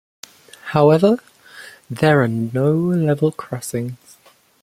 However, there are no level crossings.